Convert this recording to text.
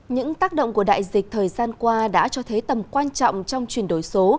những tác động của đại dịch thời gian qua đã cho thấy tầm quan trọng trong chuyển đổi số